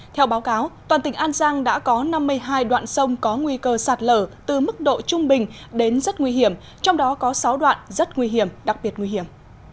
theo báo cáo toàn tỉnh an giang đã có năm mươi hai đoạn sông có nguy cơ sạt lở từ mức độ trung bình đến rất nguy hiểm trong đó có sáu đoạn rất nguy hiểm đặc biệt nguy hiểm